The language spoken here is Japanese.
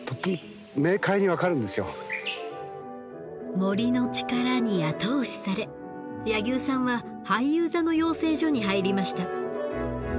森の力に後押しされ柳生さんは俳優座の養成所に入りました。